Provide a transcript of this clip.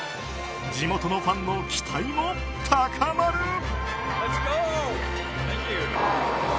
地元のファンの期待も高まる。